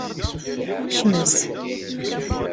Kmes.